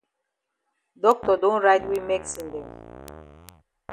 Doctor don write we medicine dem.